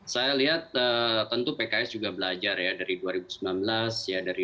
saya lihat tentu pks juga belajar ya dari dua ribu sembilan belas ya dari dua ribu empat belas